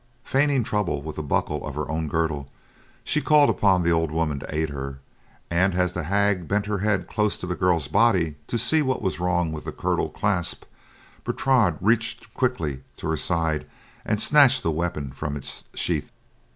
Feigning trouble with the buckle of her own girdle, she called upon the old woman to aid her, and as the hag bent her head close to the girl's body to see what was wrong with the girdle clasp, Bertrade reached quickly to her side and snatched the weapon from its sheath.